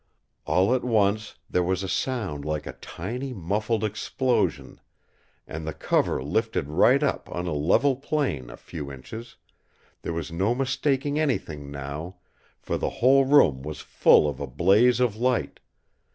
All at once there was a sound like a tiny muffled explosion and the cover lifted right up on a level plane a few inches; there was no mistaking anything now, for the whole room was full of a blaze of light.